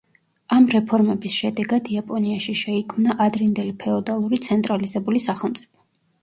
ამ რეფორმების შედეგად იაპონიაში შეიქმნა ადრინდელი ფეოდალური ცენტრალიზებული სახელმწიფო.